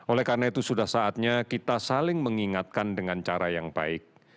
oleh karena itu sudah saatnya kita saling mengingatkan dengan cara yang baik